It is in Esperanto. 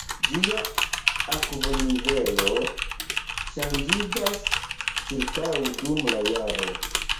Ĝia akvonivelo ŝanĝiĝas ĉirkaŭ dum la jaro.